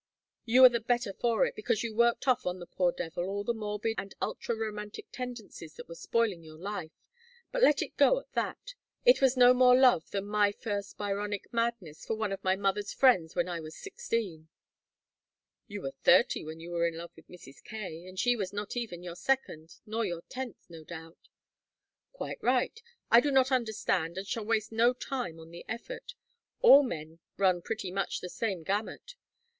You are the better for it, because you worked off on the poor devil all the morbid and ultra romantic tendencies that were spoiling your life. But let it go at that. It was no more love than my first Byronic madness for one of my mother's friends when I was sixteen " "You were thirty when you were in love with Mrs. Kaye. And she was not even your second nor your tenth, no doubt." "Quite right. I do not understand and shall waste no time on the effort. All men run pretty much the same gamut.